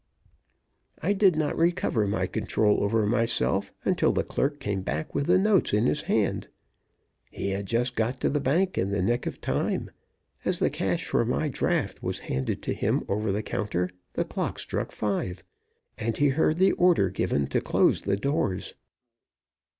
I did not recover my control over myself until the clerk came back with the notes in his hand. He had just got to the bank in the nick of time. As the cash for my draft was handed to him over the counter, the clock struck five, and he heard the order given to close the doors.